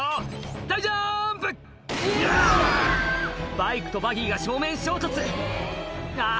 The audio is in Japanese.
バイクとバギーが正面衝突あぁ